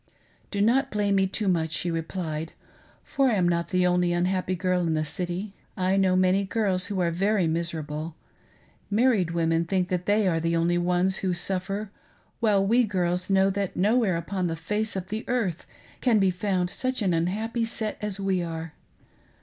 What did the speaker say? "Do not blame me too much," she replied, for I am not the only 'unhappy girl in the city. I know many girls who are very mis erable. Married women think that they are the only ones who suffer, while we girls know that nowhere upon the face of the earth can be found such an unhappy set as we are.